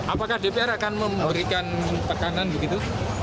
apakah dpr akan memberikan tekanan begitu